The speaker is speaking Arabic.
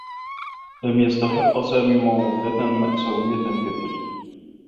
لم يستحقّ سامي موتة مأساويّة كتلك.